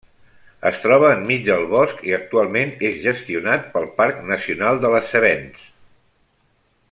Es troba enmig del bosc i actualment és gestionat pel parc nacional de les Cevenes.